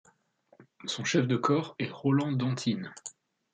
Son chef de corps est Roland Dantine.